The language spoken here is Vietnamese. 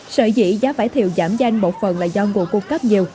sợi dĩ giá vải thiêu giảm danh một phần là do nguồn cung cấp nhiều